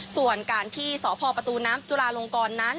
ส่วนการที่สพประตูน้ำจุลาลงกรนั้น